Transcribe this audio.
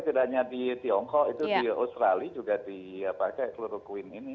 tidak hanya di tiongkok itu di australia juga dipakai kloroquine ini